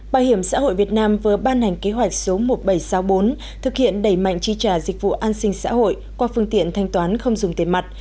bảo hiểm xã hội việt nam vừa ban hành kế hoạch số một nghìn bảy trăm sáu mươi bốn thực hiện đẩy mạnh chi trả dịch vụ an sinh xã hội qua phương tiện thanh toán không dùng tiền mặt